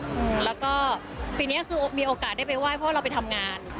อืมแล้วก็ปีนี้คือมีโอกาสได้ไปไหว้เพราะเราไปทำงาน